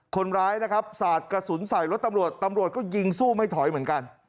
คนร้ายนะครับสาดกระสุนใส่รถตำรวจตำรวจก็ยิงสู้ไม่ถอยเหมือนกัน